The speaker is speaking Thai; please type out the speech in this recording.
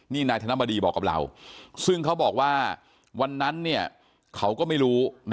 นี่นายธนบดีบอกกับเราซึ่งเขาบอกว่าวันนั้นเขาก็ไม่รู้